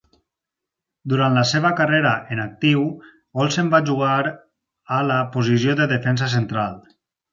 Durant la seva carrera en actiu, Olsen va jugar a la posició de defensa central.